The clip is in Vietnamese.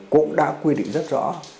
cũng đã quy định rất rõ